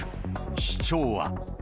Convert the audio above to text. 市長は。